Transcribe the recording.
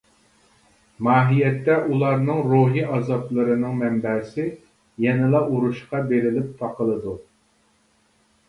ماھىيەتتە ئۇلارنىڭ روھىي ئازابلىرىنىڭ مەنبەسى يەنىلا ئۇرۇشقا بېرىلىپ تاقىلىدۇ.